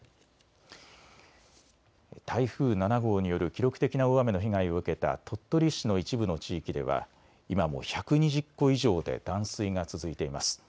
台風７号による記録的な大雨の被害を受けた鳥取市の一部の地域では今も１２０戸以上で断水が続いています。